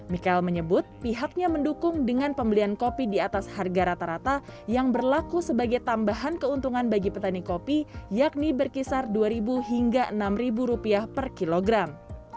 mikael menyebut pihaknya mendukung dengan pembelian kopi di atas harga rata rata yang berlaku sebagai tambahan keuntungan bagi petani kopi yakni berkisar rp dua hingga rp enam per kilogram